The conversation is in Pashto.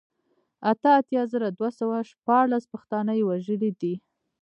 اته اتيا زره دوه سوه شپاړل پښتانه يې وژلي دي